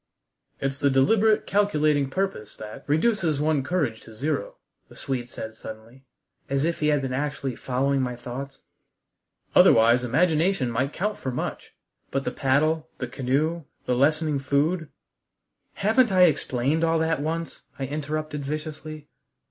"It's the deliberate, calculating purpose that reduces one's courage to zero," the Swede said suddenly, as if he had been actually following my thoughts. "Otherwise imagination might count for much. But the paddle, the canoe, the lessening food " "Haven't I explained all that once?" I interrupted viciously.